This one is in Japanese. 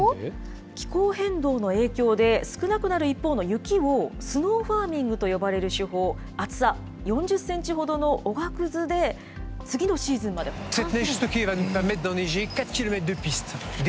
気候変動の影響で少なくなる一方の雪を、スノーファーミングという手法、厚さ４０センチほどのおがくずで次のシーズンまで保管するんです。